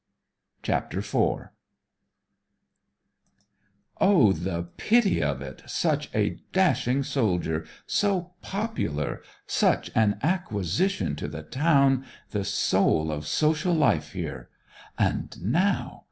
CHAPTER IV 'O, the pity of it! Such a dashing soldier so popular such an acquisition to the town the soul of social life here! And now!